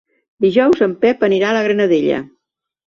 Dijous en Pep anirà a la Granadella.